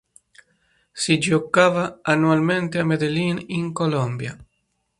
Si giocava annualmente a Medellin in Colombia.